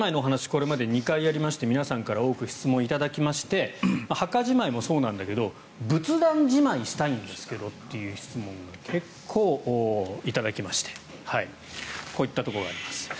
これまで２回やりまして皆さんから多く質問を頂きまして墓じまいもそうなんだけど仏壇じまいしたいんですけどという質問を結構頂きましてこういったところがあります。